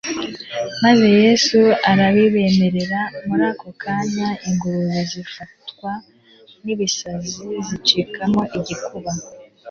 maze Yesu arabibemerera. Muri ako kanya ingurube zifatwa. n'ibisazi, zicikamo igikuba,